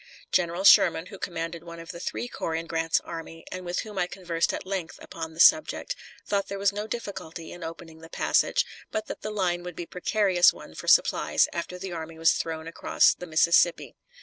General Sherman, who commanded one of the three corps in Grant's army, and with whom I conversed at length upon the subject, thought there was no difficulty in opening the passage, but that the line would be a precarious one for supplies after the army was thrown across the Mississippi.